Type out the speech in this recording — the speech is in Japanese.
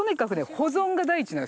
保存が第一なんです。